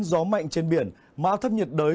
gió mạnh trên biển mà áp thấp nhiệt đới